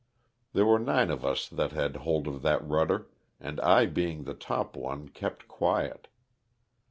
There were nine of us that had hold of that rudder and I being the top one kept quiet.